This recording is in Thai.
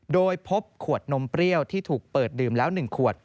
โดยพบขวดนมเปรี้ยวที่ถูกเปิดดื่มแล้ว๑ขวด